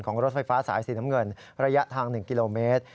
รถไฟฟ้าสายสีน้ำเงินระยะทาง๑กิโลเมตร